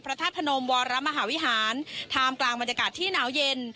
พระธาตุพนมวรมหาวิหารท่ามกลางบรรยากาศที่หนาวเย็น